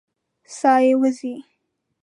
ساه یې وځي.